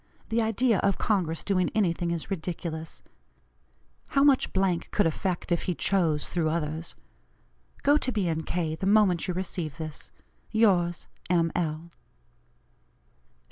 The idea of Congress doing anything is ridiculous. How much could effect if he chose, through others. Go to B. & K. the moment you receive this. "Yours, M. L."